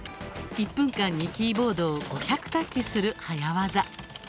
１分間にキーボードを５００タッチする早業。